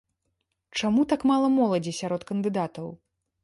Чаму так мала моладзі сярод кандыдатаў?